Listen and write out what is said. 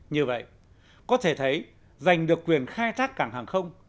như vậy có thể thấy giành được quyền khai thác cảng hàng không